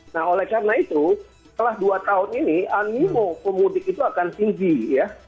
nah oleh karena itu setelah dua tahun ini animo pemudik itu akan tinggi ya